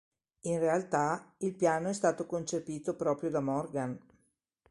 In realtà, il piano è stato concepito proprio da Morgan.